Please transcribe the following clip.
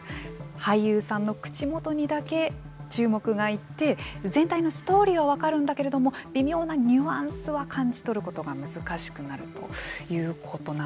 俳優さんの口元にだけ注目がいって全体のストーリーは分かるんだけれども微妙なニュアンスは感じ取ることが難しくなるということなんですね。